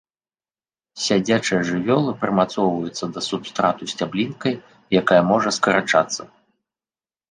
Сядзячыя жывёлы, прымацоўваюцца да субстрату сцяблінкай, якая можа скарачацца.